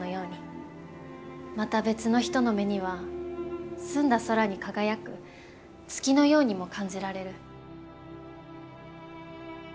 また別の人の目には澄んだ空に輝く月のようにも感じられる。